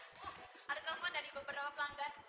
bu ada telepon dari beberapa pelanggan